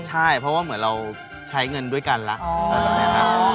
ใช่เพราะว่าเหมือนเราใช้เงินด้วยกันแล้ว